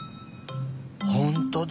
ほんとだ。